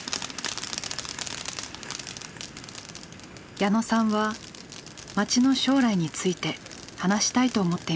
矢野さんは街の将来について話したいと思っていました。